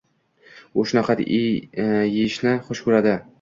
U shunaqa eyishni xush ko`radi